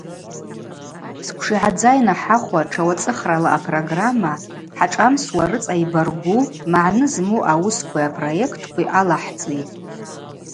Сквшигӏадза йнахӏахвуа тшауацӏыхрала апрограмма хӏашӏамсуа рыцӏа йбаргву, магӏны зму ауыскви апроекткви алахӏцӏитӏ.